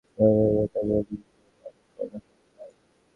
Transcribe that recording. শরীরের মেটাবলিজম অনেক কম রাখা যায়।